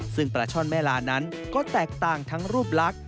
ซึ่งปลาช่อนแม่ลานั้นก็แตกต่างทั้งรูปลักษ